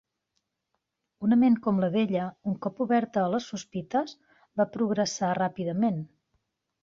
Una ment com la d'ella, un cop oberta a les sospites, va progressar ràpidament.